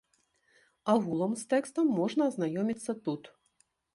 Агулам з тэкстам можна азнаёміцца тут.